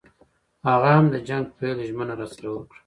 هغه هم د جنګ پیل ژمنه راسره وکړه.